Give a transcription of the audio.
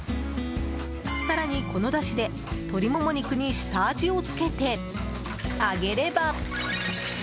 更に、このだしで鶏モモ肉に下味をつけて揚げれば。